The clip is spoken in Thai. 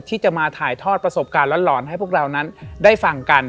ที่จะมาถ่ายทอดประสบการณ์หลอนให้พวกเรานั้นได้ฟังกัน